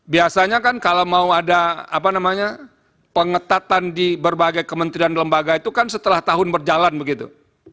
biasanya kan kalau mau ada pengetatan di berbagai kementerian lembaga itu kan setelah tahun berjalan begitu